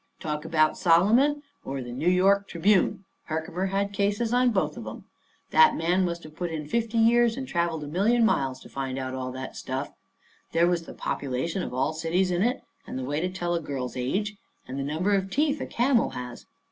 Talk about Solomon or the New York Tribune! Herkimer had cases on both of 'em. That man must have put in fifty years and travelled a million miles to find out all that stuff. There was the population of all cities in it, and the way to tell a girl's age, and the number of teeth a camel has.